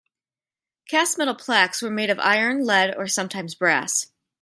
Cast metal plaques were made of iron, lead, or sometimes brass.